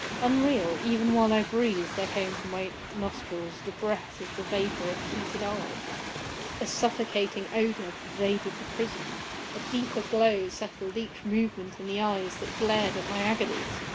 Unreal!—Even while I breathed there came to my nostrils the breath of the vapour of heated iron! A suffocating odour pervaded the prison! A deeper glow settled each moment in the eyes that glared at my agonies!